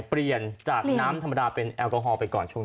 เปลี่ยนจากน้ำธรรมดาเป็นแอลกอฮอลไปก่อนช่วงนี้